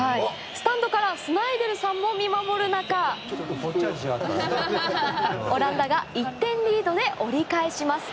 スタンドからスナイデルさんも見守る中オランダが１点リードで折り返します。